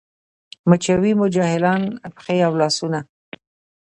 مچوي مو جاهلان پښې او لاسونه